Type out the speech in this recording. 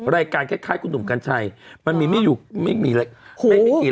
รายการแค่คล้ายคุณหนุ่มกันใช่มันมีไม่อยู่ไม่มีไวคงไม่มีไปกี่